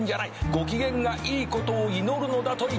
ご機嫌がいいことを祈るのだ』と言っている」